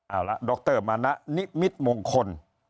เอาละดรมานะนิมิตมงคล